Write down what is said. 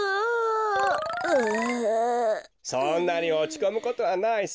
そんなにおちこむことはないさ。